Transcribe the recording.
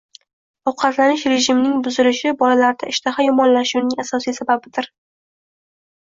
Ovqatlanish rejimining buzilishi bolalarda ishtaha yomonlashishining asosiy sababidir